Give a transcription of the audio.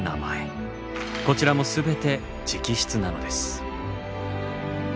こちらも全て直筆なのです。